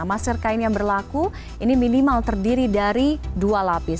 masker kain yang berlaku ini minimal terdiri dari dua lapis